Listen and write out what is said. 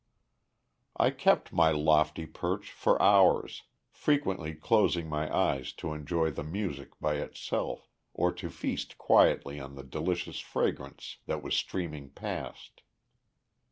"I kept my lofty perch for hours, frequently closing my eyes to enjoy the music by itself, or to feast quietly on the delicious fragrance that was streaming past."